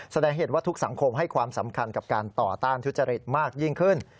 แสดงเหตุว่าทุกสังคมให้ความสำคัญกับการต่อต้านทุจริตมากยิ่งขึ้น